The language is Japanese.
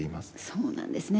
そうなんですね。